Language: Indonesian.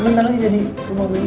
bentar lagi jadi rumah gue juga